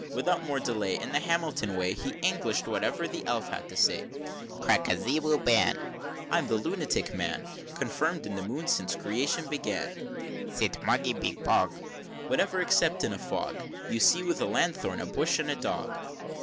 Without more delay, In the Hamilton way He English'd whatever the Elf had to say. XXXIII. "Krak kraziboo ban, I'm the Lunatick Man, Confined in the Moon since creation began Sit muggy bigog, Whom except in a fog You see with a Lanthorn, a Bush, and a Dog."